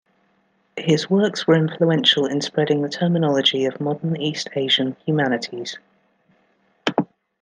His works were influential in spreading the terminology of modern East Asian humanities.